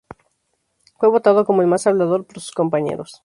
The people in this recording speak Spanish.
Fue votado como el "más hablador" por sus compañeros.